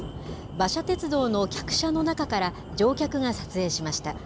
馬車鉄道の客車の中から乗客が撮影しました。